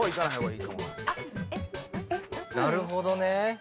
なるほどね。